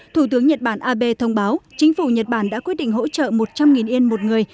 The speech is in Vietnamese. thủ tướng nhật bản abe thông báo chính phủ nhật bản đã quyết định hỗ trợ một trăm linh yên một người